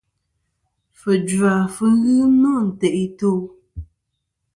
Fujva fɨ ghɨ nô ntè' i to'.